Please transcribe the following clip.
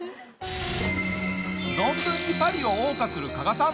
存分にパリを謳歌する加賀さん。